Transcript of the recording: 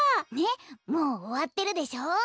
ねっもうおわってるでしょ？